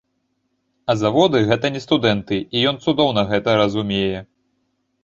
А заводы гэта не студэнты, і ён цудоўна гэта разумее.